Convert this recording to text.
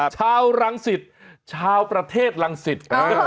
ชาวรังศิษย์ชาวประเทศรังศิษย์